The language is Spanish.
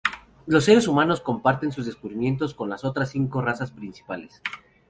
Los seres humanos comparten sus descubrimientos con las otras cinco razas principales.